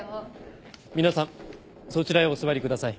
皆さんそちらへお座りください。